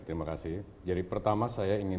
revolusi hijau di indonesia